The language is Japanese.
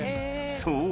［そう。